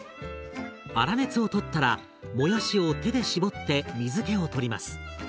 粗熱を取ったらもやしを手で絞って水けを取ります。